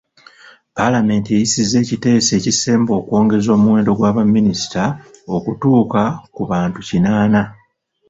Paalamenti eyisizza ekiteeso ekisemba okwongeza omuwendo gwa baminisita okutuuka ku bantu kinaana.